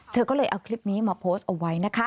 เธอก็เลยเอาคลิปนี้มาโพสต์เอาไว้นะคะ